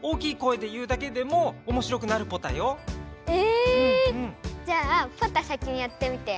えっ⁉じゃあポタ先にやってみてよ。